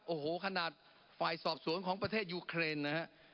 โอ้โหขนาดฝ่ายสอบศึกษาของประเทศยุเครนนะครับ